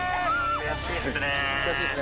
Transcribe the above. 悔しいですね。